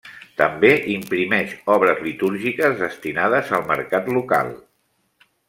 També imprimeix obres litúrgiques destinades al mercat local.